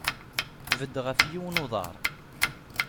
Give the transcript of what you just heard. Bded ɣef yiwen uḍar.